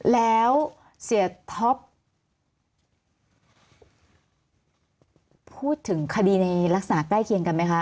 แล้วเสียท็อปพูดถึงคดีในลักษณะใกล้เคียงกันไหมคะ